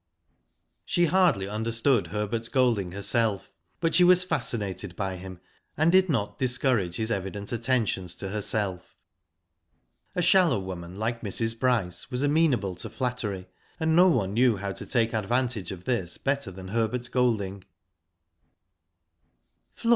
She hardly understood Herbert Golding herself; but she was fascinated by him, and did not dis courage his evident attentions to herself. A shallow woman like Mrs. Bryce was amenable to flattery, and no one knew how to take advantage of this better than Herbert Golding.